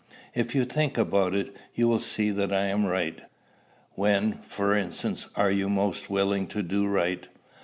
If you think about it, you will see that I am right. When, for instance, are you most willing to do right?